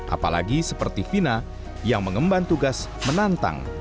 apalagi seperti vina yang mengemban tugas menantang